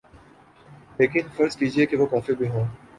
لیکن فرض کیجیے کہ وہ کافر بھی ہوں۔